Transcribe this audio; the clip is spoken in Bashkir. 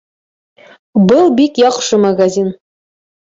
Был бик яҡшы магазин